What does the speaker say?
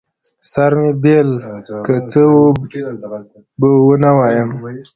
سر مې بېل که، څه به ونه وايم.